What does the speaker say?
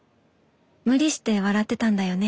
無理して笑ってたんだよね。